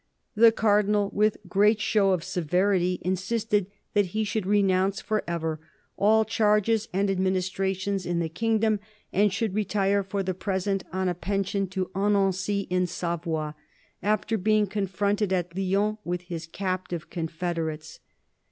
The Cardinal, with great show of severity, insisted that he should renounce for ever all "charges and administrations" in the kingdom, and should retire for the present, on a pension, to Annecy in Savoy, after being confronted at Lyons with his captive confederates.